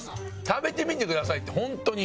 食べてみてくださいってホントに。